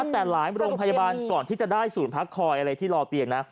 แต่หลายโรงพยาบาลก่อนที่จะได้ศูนย์พักคอยอะไรที่รอเตียงนะ